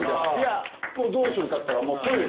もうどうするかっつったら。